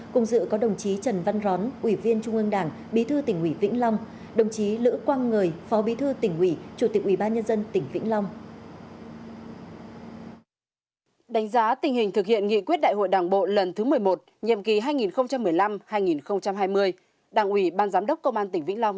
cùng dự có đồng chí trần văn rón ủy viên trung ương đảng bí thư tỉnh ủy vĩnh long đồng chí lữ quang người phó bí thư tỉnh ủy chủ tịch ủy ban nhân dân tỉnh vĩnh long